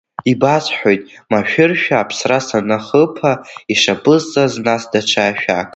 Ибасҳәоит, машәыршәа аԥсра санахыԥа, ишаԥысҵаз нас даҽа ашәак…